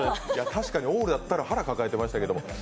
確かにオールやったら腹抱えてましたけど。